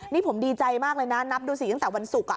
นี่ผมดีใจมากเลยนะนับดูสิตั้งแต่วันศุกร์